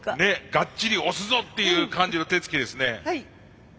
がっちり押すぞっていう感じの手つきですね。